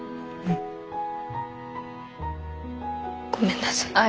ごめんなさい。